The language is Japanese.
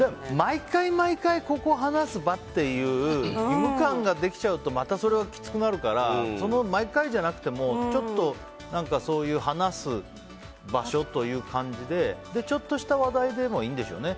毎回毎回ここは話す場所っていう義務感ができちゃうとまたそれはきつくなっちゃうからその毎回じゃなくてもちょっとそういう話す場所という感じでちょっとした話題でもいいんでしょうね。